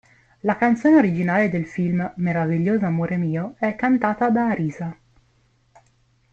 La canzone originale del film "Meraviglioso amore mio" è cantata da Arisa.